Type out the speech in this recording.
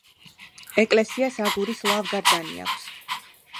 ეკლესიას აგურის ლავგარდანი აქვს.